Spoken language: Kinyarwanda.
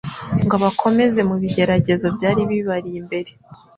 ngo abakomeze mu bigeragezo byari bibari imbere,